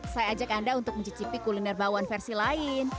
saya ajak anda untuk mencicipi kuliner bakwan versi lain